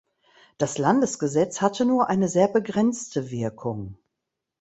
Das Landesgesetz hatte nur eine sehr begrenzte Wirkung.